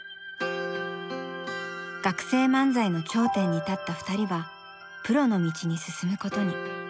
学生漫才の頂点に立った２人はプロの道に進むことに。